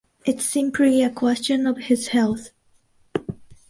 It's simply a question of his health.